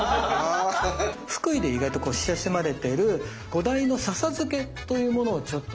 福井で意外と親しまれてる「小鯛の笹漬け」というものをちょっと。